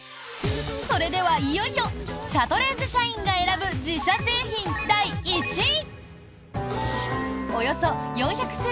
それでは、いよいよシャトレーゼ社員が選ぶ自社製品第１位！